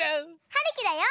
はるきだよ。